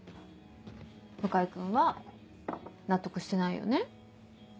向井君は納得してないよね？